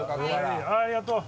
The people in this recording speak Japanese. ありがとう。